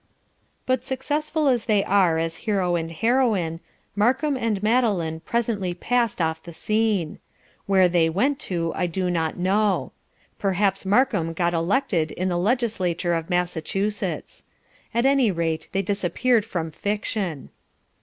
But successful as they were as Hero and Heroine, Markham and Madeline presently passed off the scene. Where they went to, I do not know. Perhaps Markham got elected in the legislature of Massachusetts. At any rate they disappeared from fiction.